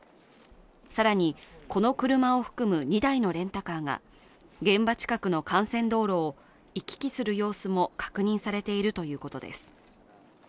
更に、この車を含む２台のレンタカーが現場近くの幹線道路を行き来する様子も確認されているということです。